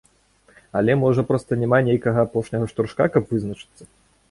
Але, можа, проста няма нейкага апошняга штуршка, каб вызначыцца?